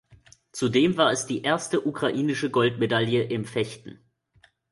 Zudem war es die erste ukrainische Goldmedaille im Fechten.